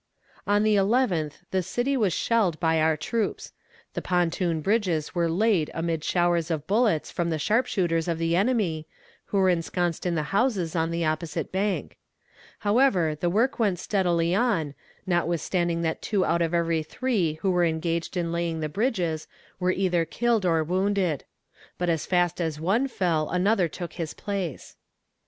On the eleventh the city was shelled by our troops. The pontoon bridges were laid amid showers of bullets from the sharpshooters of the enemy, who were ensconced in the houses on the opposite bank. However, the work went steadily on, notwithstanding that two out of every three who were engaged in laying the bridges were either killed or wounded. But as fast as one fell another took his place.